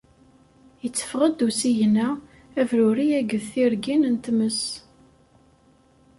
Itteffeɣ-d usigna, abruri akked tirgin n tmes.